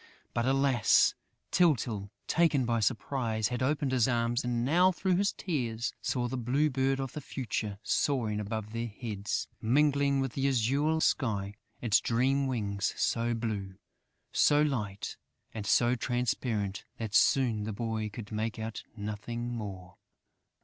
But alas, Tyltyl, taken by surprise, had opened his arms and now, through his tears, saw the Bird of the Future soaring above their heads, mingling with the azure sky its dream wings so blue, so light and so transparent that soon the boy could make out nothing more....